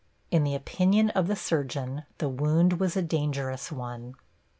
In the opinion of the surgeon the wound was a dangerous one.